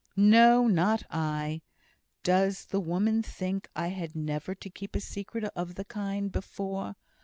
"No! not I! Does the woman think I had never to keep a secret of the kind before?